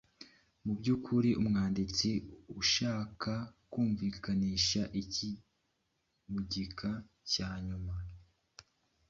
Mu by’ukuri umwanditsi arashaka kumvikanisha iki mu gika cya nyuma?